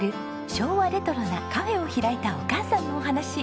昭和レトロなカフェを開いたお母さんのお話。